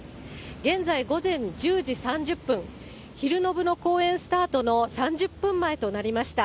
現在午前１０時３０分、昼の部の公演スタートの３０分前となりました。